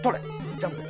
ジャンプや。